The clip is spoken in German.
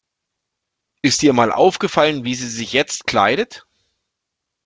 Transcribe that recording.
Ist dir mal aufgefallen, wie sie sich jetzt kleidet?